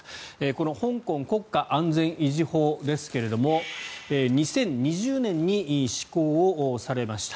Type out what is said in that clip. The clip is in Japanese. この香港国家安全維持法ですけれども２０２０年に施行されました。